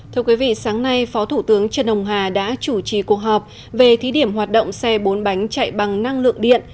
thưa quý vị sáng nay phó thủ tướng trần hồng hà đã chủ trì cuộc họp về thí điểm hoạt động xe bốn bánh chạy bằng năng lượng điện